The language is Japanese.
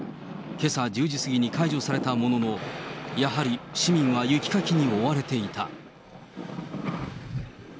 けさ１０時過ぎに解除されたものの、やはり市民は雪かきに追われていた。